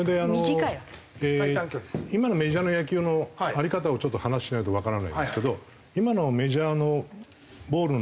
今のメジャーの野球の在り方をちょっと話しないとわからないんですけど今のメジャーのボールの投げ方っていうのがですね